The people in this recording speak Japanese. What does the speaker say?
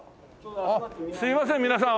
すいません皆さん。